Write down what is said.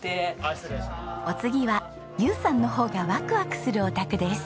お次は友さんの方がワクワクするお宅です。